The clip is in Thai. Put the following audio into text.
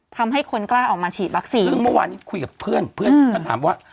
ทำให้คนกล้าออกมาฉีดวัคซีนซึ่งเมื่อวานนี้คุยกับเพื่อนเพื่อนก็ถามว่า